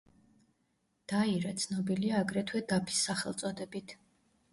დაირა, ცნობილია აგრეთვე დაფის სახელწოდებით.